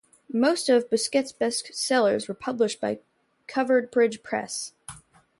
Most of Bosquet's best sellers were published by Covered Bridge Press.